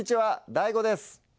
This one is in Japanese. ＤＡＩＧＯです。